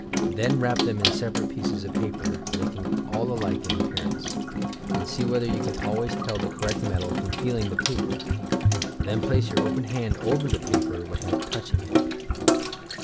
Then wrap them in separate pieces of paper (making all alike in appearance) and see whether you can al ways tell the correct metal from feeling the paper. Then place your open hand over the paper, without touching it.